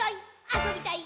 あそびたい！